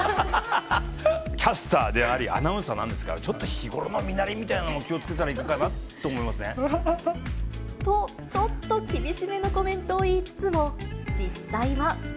キャスターであり、アナウンサーなんですから、ちょっと日頃の身なりみたいなのも気をつけたらいかがかなって思と、ちょっと厳しめのコメントを言いつつも、実際は。